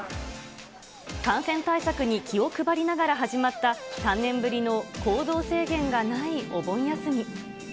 感染対策に気を配りながら始まった３年ぶりの行動制限がないお盆休み。